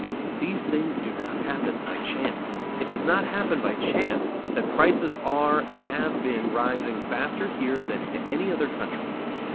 These things do not happen by chance. It does not happen by chance that prices are and have been rising faster here than in any other country.